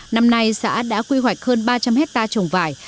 năm nay xã đã quy hoạch hơn ba trăm linh hectare trồng vải